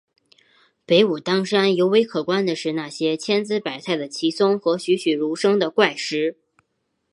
北武当山尤为可观的是那些千姿百态的奇松和栩栩如生的怪石。